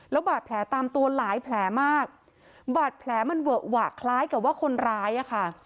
แล้วบาดแผลตามตัวหลายแผลมากบาดแผลมันเวอะหวะคล้ายกับว่าคนร้ายอ่ะค่ะ